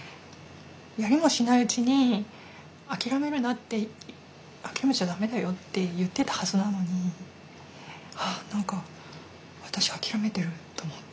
「やりもしないうちに諦めるな」って「諦めちゃだめだよ」って言ってたはずなのに何か私諦めてると思って。